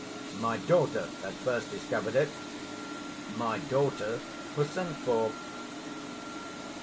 My daughter had first discovered it. My daughter was sent for.